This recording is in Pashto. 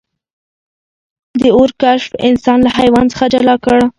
د اور کشف انسان له حیوان څخه جلا کړ.